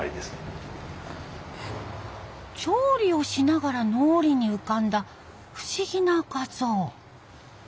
調理をしながら脳裏に浮かんだ不思議な画像。